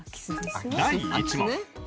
第１問。